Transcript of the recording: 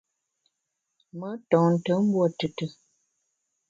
Me ntonte mbuo tùtù.